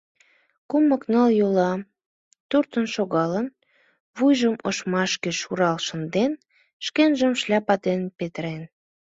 Кумык, ныл йола туртын шогалын, вуйжым ошмашке шурал шынден, шкенжым шляпа дене петырен.